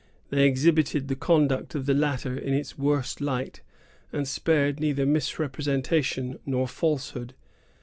They exhibited the conduct of the latter in its worst light, and spared neither misrepresentation nor falsehood.